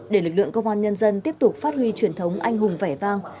để lực lượng công an nhân dân tiếp tục phát huy truyền thống anh hùng vẻ vang